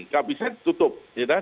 kalau bisa tutup